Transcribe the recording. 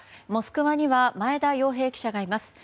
モスクワには前田洋平記者がいます。